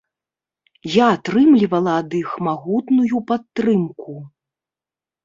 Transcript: Я атрымлівала ад іх магутную падтрымку.